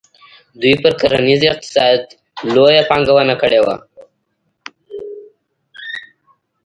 دوی پر کرنیز اقتصاد لویه پانګونه کړې وه.